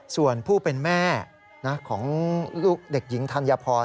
ส่วนผู้เป็นแม่ของลูกเด็กหญิงธัญพร